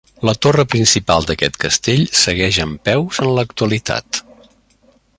La torre principal d'aquest castell segueix en peus en l'actualitat.